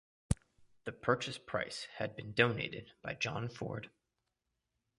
The purchase price had been donated by John Ford.